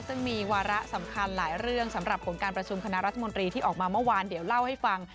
ซึ่งมีวาระสำคัญหลายเรื่องสำหรับผลการประชุมคณะรัฐมนตรีที่ออกมาเมื่อวานเดี๋ยวเล่าให้ฟัง